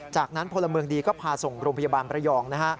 จากนั้นพลเมืองดีก็พาส่งโรงพยาบาลประยอง